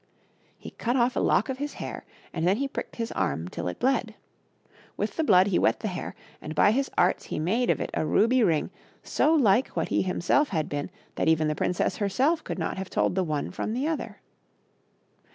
He cut off a lock of his hair and then pricked his arm till it bled. With the blood he wet the hair, and by his arts he made of it a ruby ring so like what he himself had been that even the princess herself could not have told the one from the other.